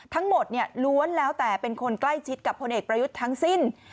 ทั้งหมดล้วนแล้วแต่เป็นคนใกล้ชิดกับพลเอกประยุทธ์ทั้งสิ้น